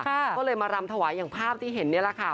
ก็เลยมารำถวายอย่างภาพที่เห็นนี่แหละค่ะ